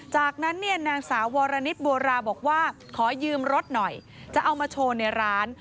จากนั้นเนี่ยนางสาววรณิตบัวราบอกว่าขอยืมรถหน่อยจะเอามาโชว์ในร้าน